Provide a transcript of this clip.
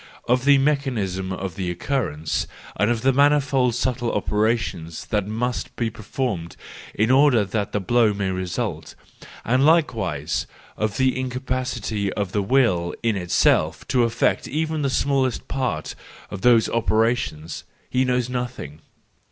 Of the mechanism of the occurrence and of the manifold subtle opera 170 THE JOYFUL WISDpM, III tions that must be performed in order that the blow may result, and likewise of the incapacity of the Will in itself to effect even the smallest part of those operations—he knows nothing.